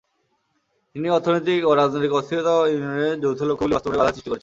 কিন্তু অর্থনৈতিক ও রাজনৈতিক অস্থিরতা ইউনিয়নের যৌথ লক্ষ্যগুলি বাস্তবায়নে বাধার সৃষ্টি করেছে।